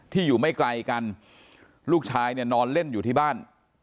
อยู่ไม่ไกลกันลูกชายเนี่ยนอนเล่นอยู่ที่บ้าน